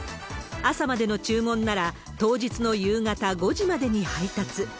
朝までの注文なら、当日の夕方５時までに配達。